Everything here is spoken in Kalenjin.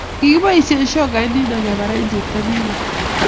Kikiboisie shokait nino kebare chepto nino